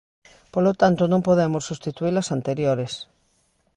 Polo tanto, non podemos substituír as anteriores.